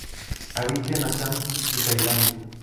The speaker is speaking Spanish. Habita en Assam y Tailandia.